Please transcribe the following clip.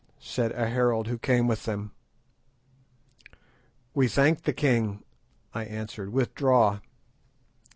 said a herald who came with them. "We thank the king," I answered; "withdraw."